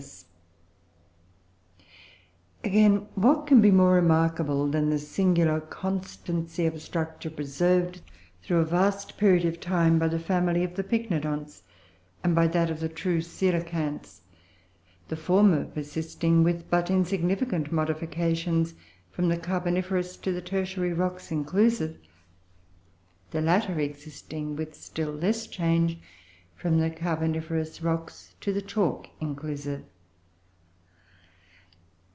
"] Again, what can be more remarkable than the singular constancy of structure preserved throughout a vast period of time by the family of the Pycnodonts and by that of the true Coelacanths; the former persisting, with but insignificant modifications, from the Carboniferous to the Tertiary rocks, inclusive; the latter existing, with still less change, from the Carboniferous rocks to the Chalk, inclusive?